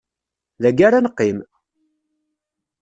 Dagi ara neqqim!